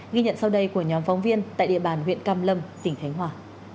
ghi nhận sau đây của nhóm phóng viên tại địa bàn huyện cam lâm tỉnh khánh hòa